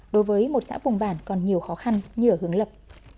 đối với một xã vùng bản còn nhiều khó khăn như ở hướng lập